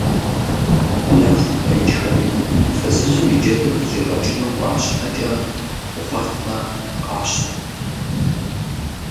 Нэху къекӀхэри фызыжьым джэдыр къыщӀигъэкӀыну кӀуа щхьэкӀэ, бгъуэтым къащтэ!